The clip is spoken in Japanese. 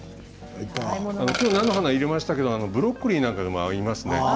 菜の花を入れましたけれどもブロッコリーなんかでも合いますね。